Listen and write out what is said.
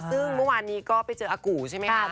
ซึ่งเมื่อวานนี้ก็ไปเจออากู่ใช่ไหมคะ